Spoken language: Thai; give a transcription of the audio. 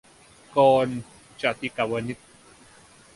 - กรณ์ จาติกวณิช